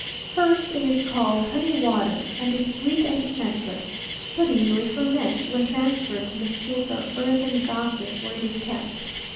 First it is called honey water, and is sweet and scentless; but easily ferments when transferred to the skins or earthen vases where it is kept.